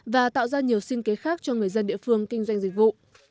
và tạo ra nhiều sinh kế khác cho người dân địa phương kinh doanh dịch vụ